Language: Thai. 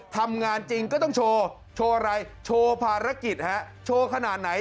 ทำงานจริงก็ต้องโชว์โชว์อะไรโชว์ภารกิจฮะโชว์ขนาดไหน